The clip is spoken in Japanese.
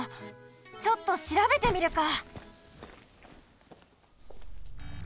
ちょっとしらべてみるか！